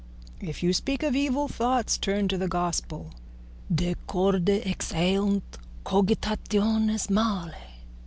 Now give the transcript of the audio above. If you speak of evil thoughts, turn to the Gospel: De corde exeunt cogitationes malae.